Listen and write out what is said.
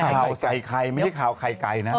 ข่าวใส่ไข่ไม่ใช่ข่าวไข่ไก่นะ